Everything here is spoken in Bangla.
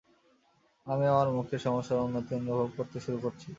আমি আমার মুখের সমস্যার উন্নতি অনুভব করতে শুরু করছি।